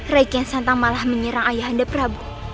reykjensantang malah menyerang ayah anda prabu